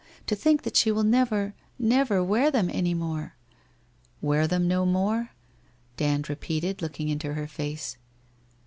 To think that she will never, never wear them any more !'' Wear them no more ?' Dand repeated, looking into her face.